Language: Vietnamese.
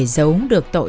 giấu được tội